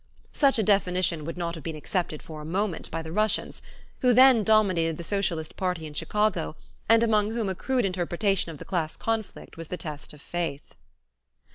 Such a definition would not have been accepted for a moment by the Russians, who then dominated the socialist party in Chicago and among whom a crude interpretation of the class conflict was the test of faith.